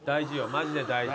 マジで大事。